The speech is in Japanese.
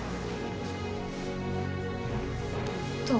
どう？